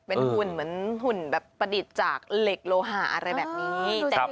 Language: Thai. เป็นหุ่นหุ่นแบบผลิตจากเล็กโลหะอะไรแบบนี้